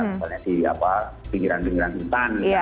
misalnya di pinggiran pinggiran hutan